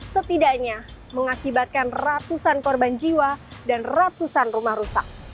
setidaknya mengakibatkan ratusan korban jiwa dan ratusan rumah rusak